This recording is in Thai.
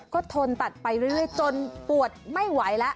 ก็ทนตัดไปเรื่อยจนปวดไม่ไหวแล้ว